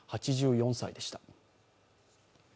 ８４歳でした。